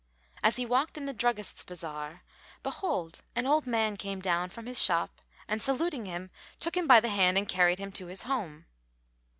[FN#445] As he walked in the druggists' bazar, behold, an old man came down from his shop and saluting him, took him by the hand and carried him to his home.